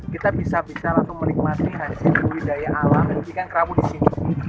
kita bisa bisa lalu menikmati kerasi budidaya alam ikan kerapu di sini